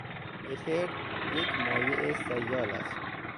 اتر یک مایع سیال است.